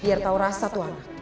biar tau rasa tuan